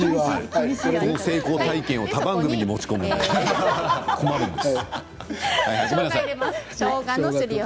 ここの成功体験を他番組にも持ち込むので困るんです。